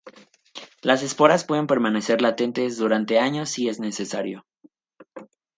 Las esporas pueden permanecer latentes durante años si es necesario.